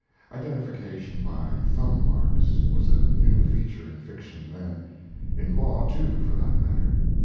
Identification by thumb marks was a new feature in fiction then in law, too, for that matter.